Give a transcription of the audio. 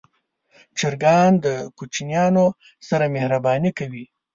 چرګان د کوچنیانو سره مهرباني کوي.